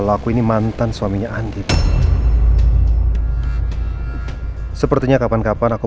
pak dio udah pulang ya